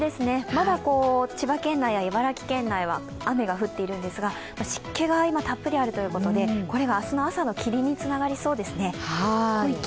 まだ千葉県内や茨城県内は雨が降っているんですが湿気が今、たっぷりあるということで、これが明日朝の霧につながりそうですね。